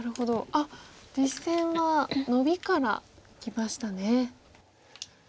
あっ実戦はノビからいきましたね。